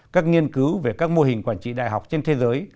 các nghiên cứu về các mô hình quản trị đại học trên thế giới